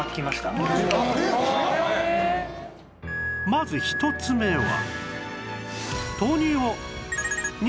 まず１つ目は